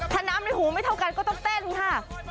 ถ้าน้ำในหูไม่เท่ากันก็ต้องเต้นค่ะ